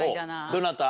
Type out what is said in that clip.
どなた？